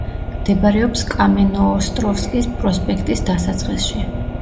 მდებარეობს კამენოოსტროვსკის პროსპექტის დასაწყისში.